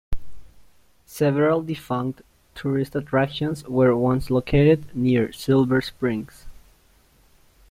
Several defunct tourist attractions were once located near Silver Springs.